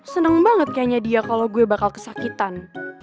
seneng banget kayaknya dia kalau gue bakal kesakitan